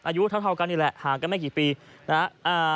อายุเท่ากันนี่แหละห่างกันไม่กี่ปีนะฮะ